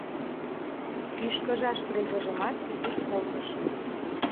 — Ӱшкыжаш презыжымат кӱтӱш колтыш.